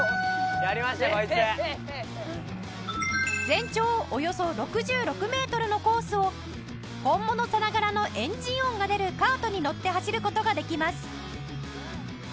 全長およそ６６メートルのコースを本物さながらのエンジン音が出るカートに乗って走る事ができます